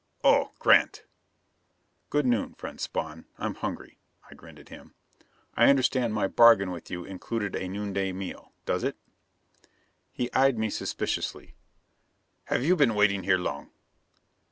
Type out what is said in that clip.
"Oh Grant." "Good noon, friend Spawn. I'm hungry." I grinned at him. "I understand my bargain with you included a noonday meal. Does it?" He eyed me suspiciously. "Have you been waiting here long?"